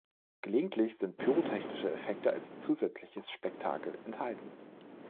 Gelegentlich sind pyrotechnische Effekte als zusätzliches Spektakel enthalten.